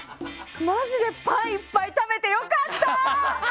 マジでパンいっぱい食べて良かったー！